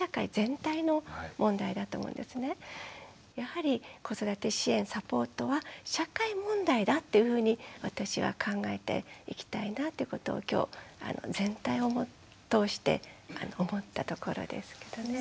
やはり子育て支援サポートは社会問題だっていうふうに私は考えていきたいなっていうことを今日全体を通して思ったところですけどね。